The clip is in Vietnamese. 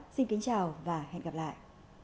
xin kính chào và hẹn gặp lại